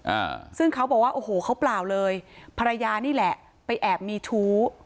อ่าซึ่งเขาบอกว่าโอ้โหเขาเปล่าเลยภรรยานี่แหละไปแอบมีชู้